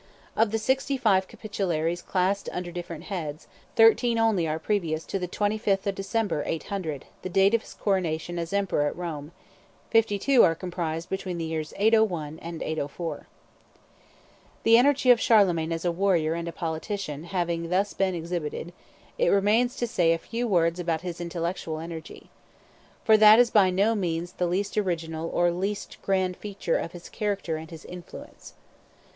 Of the sixty five Capitularies classed under different heads, thirteen only are previous to the 25th of December, 800, the date of his coronation as emperor at Rome; fifty two are comprised between the years 801 and 804. The energy of Charlemagne as a warrior and a politician having thus been exhibited, it remains to say a few words about his intellectual energy. For that is by no means the least original or least grand feature of his character and his influence.